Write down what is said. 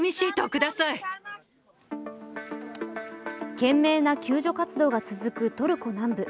懸命な救助活動が続くトルコ南部。